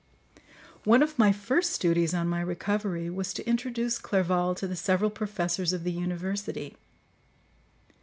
One of my first duties on my recovery was to introduce Clerval to the several professors of the university.